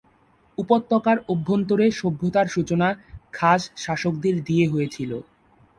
উপত্যকার অভ্যন্তরে সভ্যতার সূচনা খাস শাসকদের দিয়ে হয়েছিল।